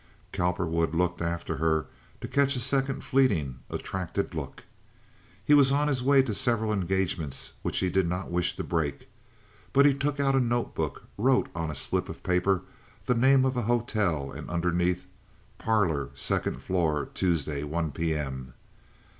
Cowperwood looked after her to catch a second fleeting, attracted look. He was on his way to several engagements which he did not wish to break, but he took out a note book, wrote on a slip of paper the name of a hotel, and underneath: "Parlor, second floor, Tuesday, 1 P.M."